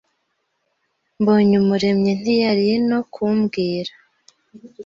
Mbonyumuremyi ntiyari no kumbwira.